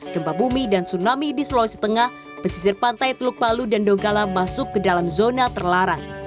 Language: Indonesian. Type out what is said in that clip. gempa bumi dan tsunami di sulawesi tengah pesisir pantai teluk palu dan donggala masuk ke dalam zona terlarang